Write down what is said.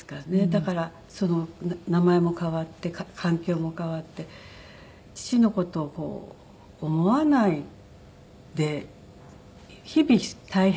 だから名前も変わって環境も変わって父の事を思わないで日々大変。